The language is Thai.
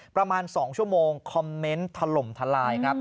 ประมาณ๒ชั่วโมงคอมเมนต์ถล่มทลายครับ